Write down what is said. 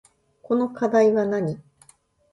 この課題はなに